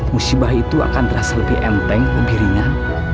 musibah itu akan terasa lebih enteng lebih ringan